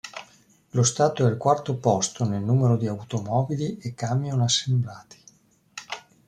Lo stato è al quarto posto nel numero di automobili e camion assemblati.